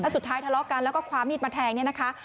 สุดท้ายทะเลาะกันแล้วก็คว้ามีดมาแทงเนี่ยนะคะ